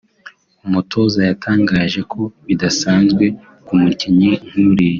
umutoza yatangaje ko bidasanzwe ku mukinnyi nk’uriya